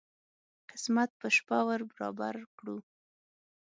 قسمت په شپه ور برابر کړو.